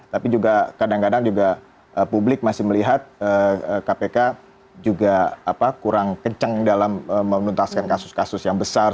tapi juga kadang kadang juga publik masih melihat kpk juga kurang kenceng dalam menuntaskan kasus kasus yang besar